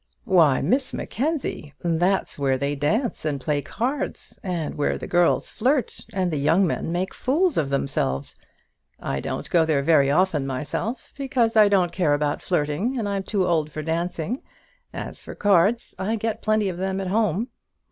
"Why, Miss Mackenzie, that's where they dance and play cards, and where the girls flirt and the young men make fools of themselves. I don't go there very often myself, because I don't care about flirting, and I'm too old for dancing. As for cards, I get plenty of them at home.